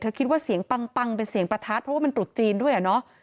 คิดว่าเสียงปังเป็นเสียงประทัดเพราะว่ามันตรุษจีนด้วยอ่ะเนาะ